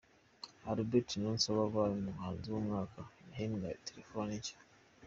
Albert Niyonsaba wabaye umuhanzi w'umwaka yahembwe terefone nshya.